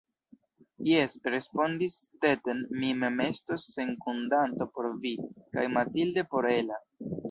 Jes, respondis Stetten, mi mem estos sekundanto por vi, kaj Mathilde por Ella.